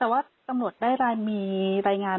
แต่ว่าตำรวจได้มีรายงาน